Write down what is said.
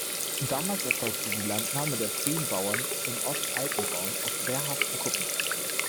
Damals erfolgte die Landnahme der frühen Bauern im Ostalpenraum auf wehrhaften Kuppen.